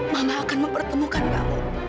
mama akan mempertemukan kamu